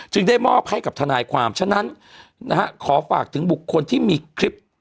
ได้มอบให้กับทนายความฉะนั้นนะฮะขอฝากถึงบุคคลที่มีคลิป